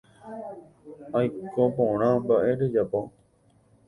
Aiko porã. Mba’e rejapo.